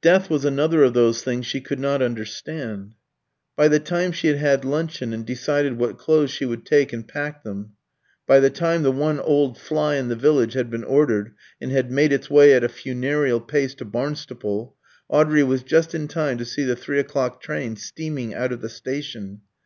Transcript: Death was another of those things she could not understand. By the time she had had luncheon, and decided what clothes she would take, and packed them; by the time the one old fly in the village had been ordered, and had made its way at a funereal pace to Barnstaple, Audrey was just in time to see the three o'clock train steaming out of the station.